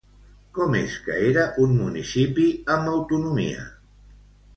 Com és que era un municipi amb autonomia?